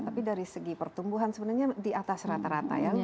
tapi dari segi pertumbuhan sebenarnya di atas rata rata ya